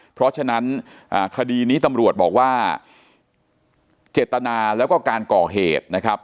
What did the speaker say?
เพราะฉะนั้นคดีนี้ตำรวจบอกว่าเจตนาแล้วก็การก่อเหตุนะครับ